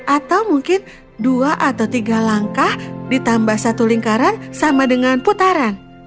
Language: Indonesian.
atau mungkin dua atau tiga langkah ditambah satu lingkaran sama dengan putaran